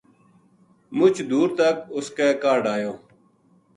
مُچ دور تک اس کے کاہڈ آیو